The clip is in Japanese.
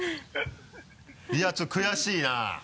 いやちょっと悔しいな。